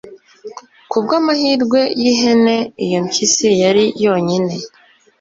kubw'amahirwe y'ihene iyo mpyisi yari yonyine